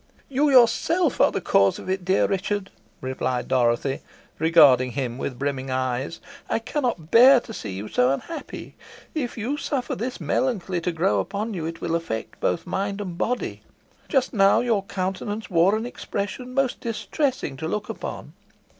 "You yourself are the cause of it, dear Richard," replied Dorothy, regarding him with brimming eyes; "I cannot bear to see you so unhappy. If you suffer this melancholy to grow upon you, it will affect both mind and body. Just now your countenance wore an expression most distressing to look upon.